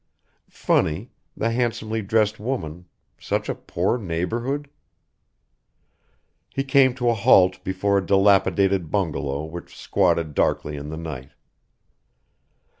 Funny the handsomely dressed woman such a poor neighborhood He came to a halt before a dilapidated bungalow which squatted darkly in the night.